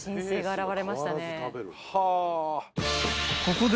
［ここで］